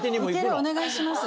じゃお願いします。